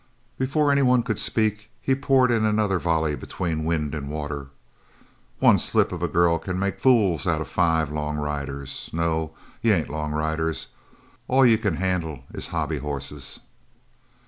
Before any one could speak he poured in another volley between wind and water: "One slip of a girl can make fools out of five long riders? No, you ain't long riders. All you c'n handle is hobby hosses!"